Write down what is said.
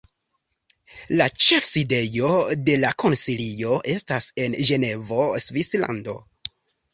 La ĉefsidejo de la Konsilio estas en Ĝenevo, Svislando.